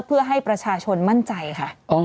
เพื่อให้ประชาชนมั่นใจค่ะ